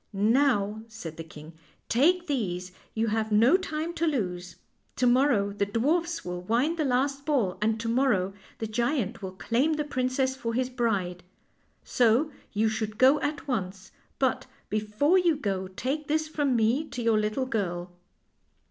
" Now," said the king, " take these ; you have no time to lose. To niorrow the dwarfs will wind the last ball, and to morrow the giant will claim the princess for his bride. So you should go at once ; but before you go take this from me to your little girl."